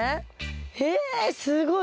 へえすごい！